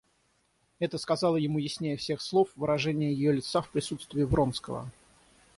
Это сказало ему яснее всех слов выражение ее лица в присутствии Вронского.